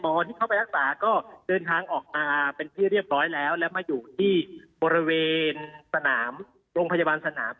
ไม่ว่ามัวจะเป็นหมอที่เขาไปรักษา